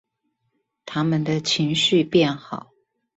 牠們的情緒變好